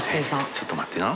ちょっと待ってな。